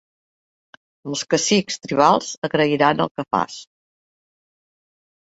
Els cacics tribals agrairan el que fas.